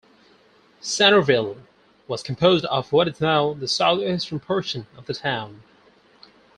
Centerville was composed of what is now the southeastern portion of the town.